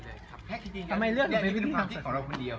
ทำไมเลือกเป็นความคิดของเราคนเดียว